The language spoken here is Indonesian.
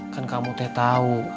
kan kamu teh tau